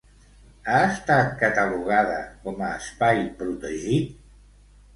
Ha estat catalogada com a espai protegit?